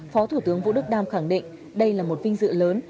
phó thủ tướng vũ đức đam khẳng định đây là một vinh dự lớn